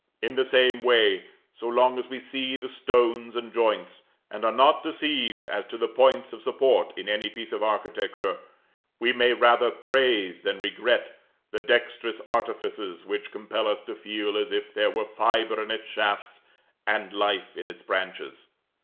In the same way, so long as we see the stones and joints, and are not deceived as to the points of support in any piece of architecture, we may rather praise than regret the dextrous artifices which compel us to feel as if there were fibre in its shafts and life in its branches.